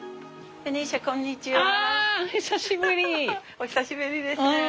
お久しぶりですね。